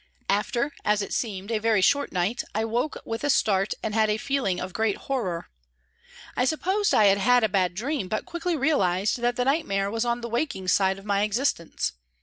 After, as it seemed, a very short night, I woke with a start and a feeling of great horror. I sup posed I had had a bad dream, but quickly realised that the nightmare was on the waking side of my existence.